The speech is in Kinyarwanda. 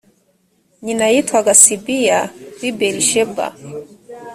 nyina yitwaga sibiya w’i berisheba